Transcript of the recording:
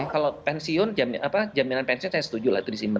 kalau pensiun jaminan pensiun saya setuju lah itu disimpan